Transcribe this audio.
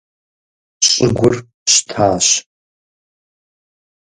Щӏыгур щтащ.